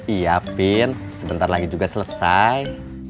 iya pin sebentar lagi juga selesai